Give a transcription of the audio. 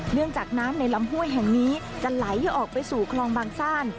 เนื่องจากน้ำในลำห้วยแห่งนี้จะไหลออกไปสู่คลองบางซ่าน